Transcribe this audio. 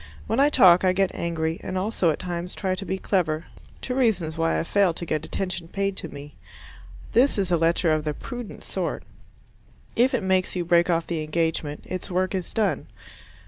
When I talk I get angry, and also at times try to be clever two reasons why I fail to get attention paid to me. This is a letter of the prudent sort. If it makes you break off the engagement, its work is done.